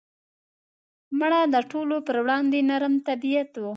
مړه د ټولو پر وړاندې نرم طبیعت وه